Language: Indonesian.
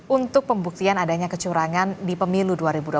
untuk pembuktian adanya kecurangan di pemilu dua ribu dua puluh